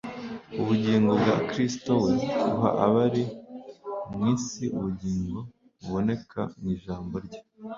Ubugingo bwa Kristo we uha abari mu isi ubugingo, buboneka mu ijambo rye.